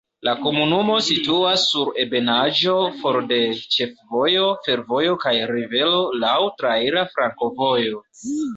La komunumo situas sur ebenaĵo for de ĉefvojo, fervojo kaj rivero, laŭ traira flankovojo.